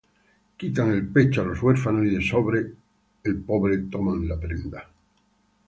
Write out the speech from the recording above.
Quitan el pecho á los huérfanos, Y de sobre el pobre toman la prenda.